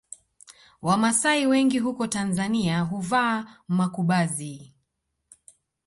Wamasai wengi huko Tanzania huvaa makubazi